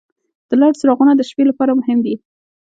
د لارې څراغونه د شپې لپاره مهم دي.